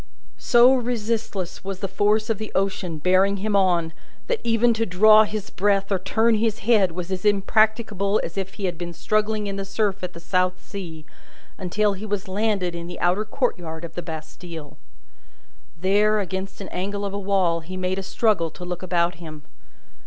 So resistless was the force of the ocean bearing him on, that even to draw his breath or turn his head was as impracticable as if he had been struggling in the surf at the South Sea, until he was landed in the outer courtyard of the Bastille. There, against an angle of a wall, he made a struggle to look about him.